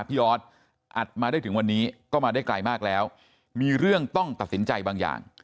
ออสอัดมาได้ถึงวันนี้ก็มาได้ไกลมากแล้วมีเรื่องต้องตัดสินใจบางอย่าง